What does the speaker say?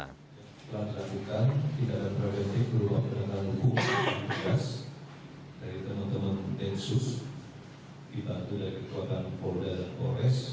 telah dilakukan di dalam preventif beruang berdekatan hukum yang jelas dari teman teman densus